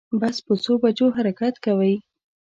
بس په څو بجو حرکت کوی